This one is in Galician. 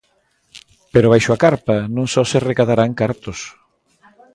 Pero baixo a carpa non só se recadarán cartos.